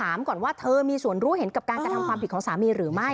ก่อนว่าเธอมีส่วนรู้เห็นกับการกระทำความผิดของสามีหรือไม่